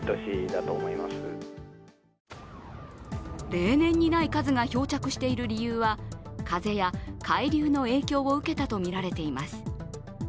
例年にない数が漂着している理由は、風や海流の影響を受けたとみられています。